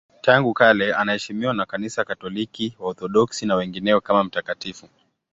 Tangu kale anaheshimiwa na Kanisa Katoliki, Waorthodoksi na wengineo kama mtakatifu.